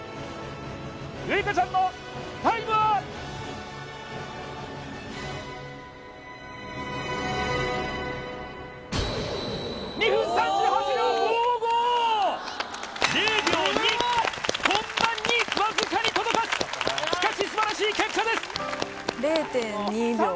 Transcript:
結花ちゃんのタイムは０秒２コンマ２わずかに届かずしかし素晴らしい結果です